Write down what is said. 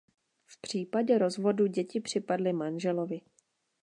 V případě rozvodu děti připadly manželovi.